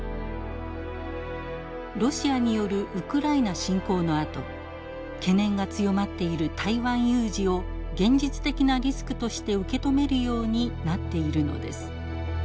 ロシアによるウクライナ侵攻のあと懸念が強まっている台湾有事を現実的なリスクとして受け止めるようになっているのです。